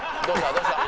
どうした？